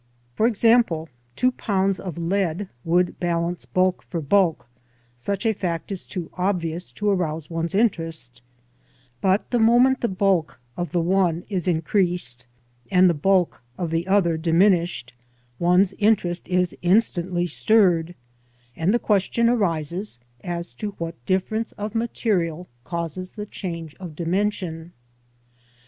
For example, two pounds of lead would balance bulk for bulk — ^such a fact is too obvious to arouse one's interest; but the moment the bulk of the one is increased and the bulk of the other diminished, one's interest is instantly stirred, and the question arises as to what difference of COMPOSITION. 35 material causes the change of dimension.